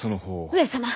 上様！